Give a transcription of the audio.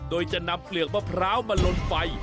โดยจะนำเปลือกมะพร้าวมาลนไฟ